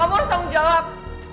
kamu harus tanggung jawab